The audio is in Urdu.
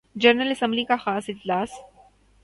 جنرل اسمبلی کا خاص اجلاس